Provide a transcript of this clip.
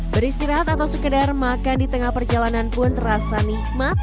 beristirahat atau sekedar makan di tengah perjalanan pun terasa nikmat